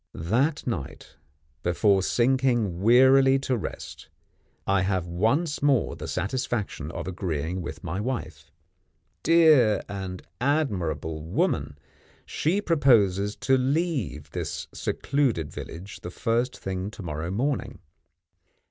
That night, before sinking wearily to rest, I have once more the satisfaction of agreeing with my wife. Dear and admirable woman! she proposes to leave this secluded village the first thing to morrow morning.